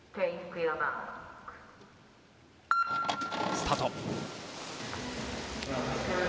スタート。